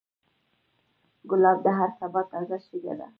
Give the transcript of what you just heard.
ګلاب د هر سبا تازه شګه ده.